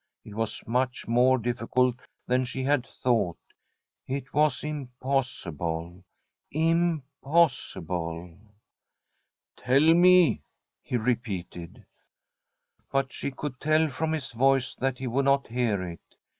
It was much more difficult than she had thought. It was im possible — impossible !* Tell me I he repeated. But she could hear from his voice that he would not hear it.